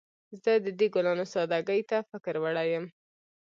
زه د دې ګلانو سادګۍ ته فکر وړی یم